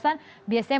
biasanya memberikan ekor